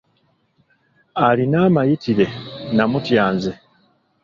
Alina amayitire namutya nze.